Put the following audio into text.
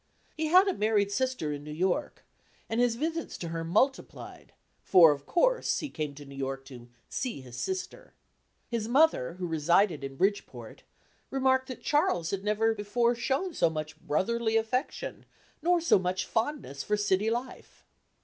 He had a married sister in New York, and his visits to her multiplied, for, of course, he came to New York "to see his sister!" His mother, who resided in Bridgeport, remarked that Charles had never before shown so much brotherly affection, nor so much fondness for city life.